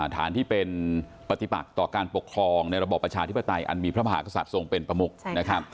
ฐานที่เป็นปฏิบัติต่อการปกครองในระบอบประชาธิปไตยอันมีพระมหากษัตริย์ทรงเป็นประมุกนะครับ